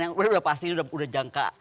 yang udah pasti udah jangka